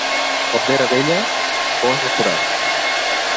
Caldera vella, bony o forat.